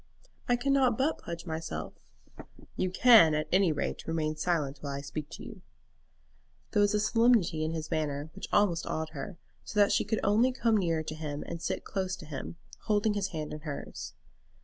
"I cannot but pledge myself." "You can at any rate remain silent while I speak to you." There was a solemnity in his manner which almost awed her, so that she could only come nearer to him and sit close to him, holding his hand in hers.